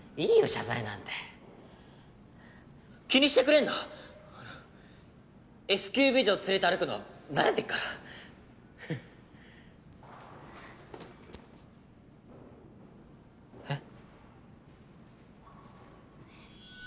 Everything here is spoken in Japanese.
謝罪なんて気にしてくれんなＳ系美女連れて歩くのは慣れてっからフッえっ？